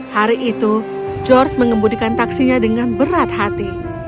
hari itu george mengembudikan taksinya dengan berat hati